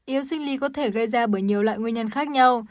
yếu sinh lý có thể gây ra bởi nhiều loại nguyên nhân khác nhau